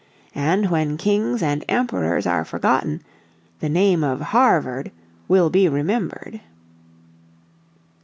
And when kings and emperors are forgotten the name of Harvard will be remembered.